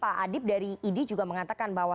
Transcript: pak adib dari idi juga mengatakan bahwa